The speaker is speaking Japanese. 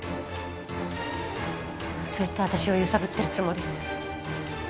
そうやって私を揺さぶってるつもり？